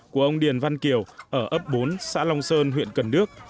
của ông điền văn kiều ở ấp bốn xã long sơn huyện cần đước